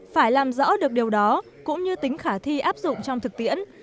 phải làm rõ được điều đó cũng như tính khả thi áp dụng trong thực tiễn